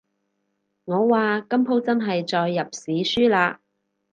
我話今舖真係載入史書喇